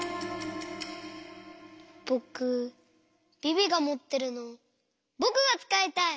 ぼくビビがもってるのぼくがつかいたい！